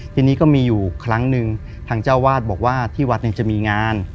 ทีนี้ก็มีอยู่ครั้งหนึ่งทางเจ้าวาดบอกว่าที่วัดเนี่ยจะมีงาน